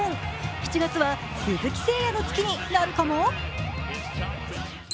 ７月は鈴木誠也の月になるかも？